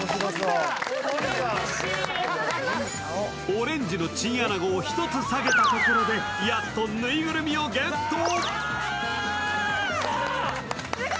オレンジのチンアナゴを１つ下げたところでやっとぬいぐるみをゲット。